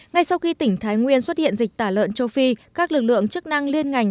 ngay sau khi tỉnh thái nguyên xuất hiện dịch tả lợn châu phi các lực lượng chức năng liên ngành